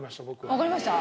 わかりました？